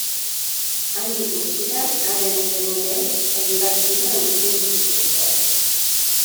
Handik gutxira haren senideek hainbat tiro entzun zituzten.